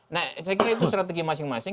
nah saya kira itu strategi masing masing